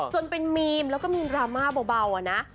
จนเป็นมีมแล้วก็มีดราม่าเบาอ่ะนะ